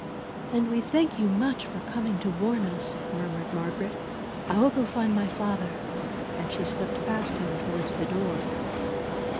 "And we thank you much for coming to warn us," murmured Margaret. "I will go find my father," and she slipped past him towards the door.